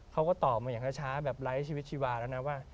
เขาก็ตอบมาอย่างช้าแบบไร้ชีวิตชีวาแล้วนะว่า